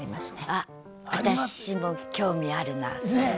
あ私も興味あるなそれ。